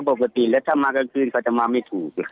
ปกติแล้วถ้ามากลางคืนเขาจะมาไม่ถูก